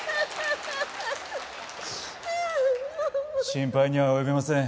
心配には及びません。